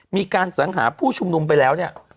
มีการสังหาผู้ชุมนุมไปแล้วเนี่ย